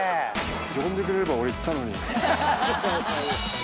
呼んでくれれば俺行ったのに。